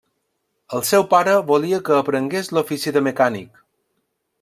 El seu pare volia que aprengués l'ofici de mecànic.